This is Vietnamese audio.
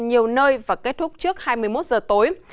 nhiều nơi và kết thúc trước hai mươi một giờ tối